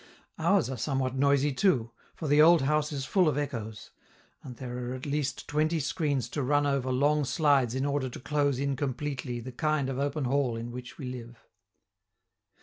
Ours are somewhat noisy too, for the old house is full of echoes, and there are at least twenty screens to run over long slides in order to close in completely the kind of open hall in which we live.